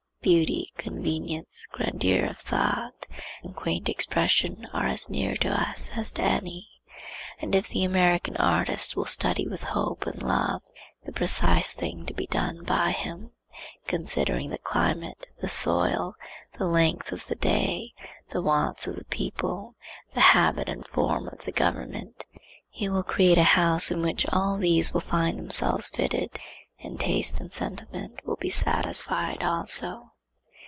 Beauty, convenience, grandeur of thought and quaint expression are as near to us as to any, and if the American artist will study with hope and love the precise thing to be done by him, considering the climate, the soil, the length of the day, the wants of the people, the habit and form of the government, he will create a house in which all these will find themselves fitted, and taste and sentiment will be satisfied also.